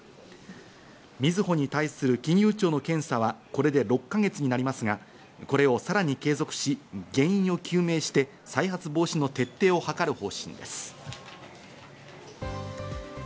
みずほに対する金融庁の検査はこれで６か月になりますが、これをさらに継続し、原因を究明して再発防止の徹底をはかる方針です。